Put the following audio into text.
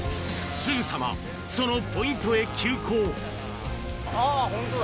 すぐさま、そのポイントへ急あー、ほんとだ！